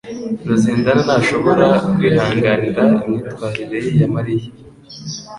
Ruzindana ntashobora kwihanganira imyitwarire ya Mariya.